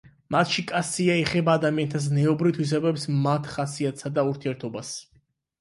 მათში კასია ეხება ადამიანთა ზნეობრივ თვისებებს მათ ხასიათსა და ურთიერთობას.